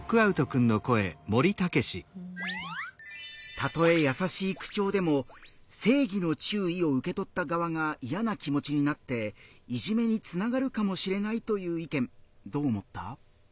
たとえ優しい口調でも「正義の注意」を受け取った側が嫌な気持ちになっていじめにつながるかもしれないという意見どう思った？